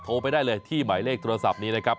ไปได้เลยที่หมายเลขโทรศัพท์นี้นะครับ